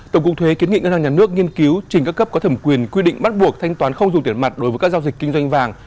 tổng cục thuế kiến nghị ngân hàng nhà nước nghiên cứu trình các cấp có thẩm quyền quy định bắt buộc thanh toán không dùng tiền mặt đối với các giao dịch kinh doanh vàng